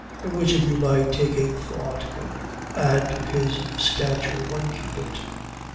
6:27. And which of you by taking thought, can add to his stature one cubit?